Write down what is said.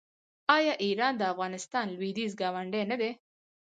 آیا ایران د افغانستان لویدیځ ګاونډی نه دی؟